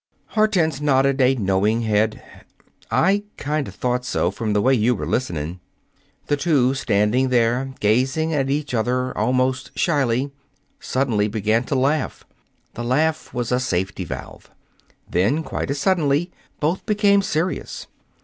Hortense nodded a knowing head. "I kind of thought so, from the way you were listening." The two, standing there gazing at each other almost shyly, suddenly began to laugh. The laugh was a safety valve. Then, quite as suddenly, both became serious.